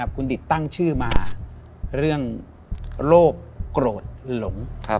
คุณดิตตั้งชื่อมาเรื่องโรคโกรธหลง